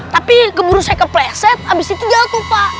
tapi gemuruh saya kepleset habis itu jatuh pak